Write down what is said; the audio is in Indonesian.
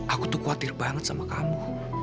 aku tuh khawatir banget sama kamu